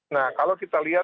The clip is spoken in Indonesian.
nah kalau kita lihat